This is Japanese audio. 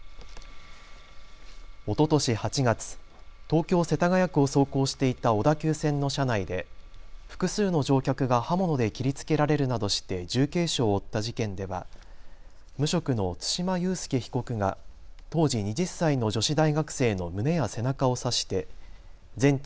おととし８月、東京世田谷区を走行していた小田急線の車内で複数の乗客が刃物で切りつけられるなどして重軽傷を負った事件では無職の對馬悠介被告が当時２０歳の女子大学生の胸や背中を刺して全治